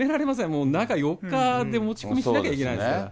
もう中４日で持ち込みしなきゃいけないんですから。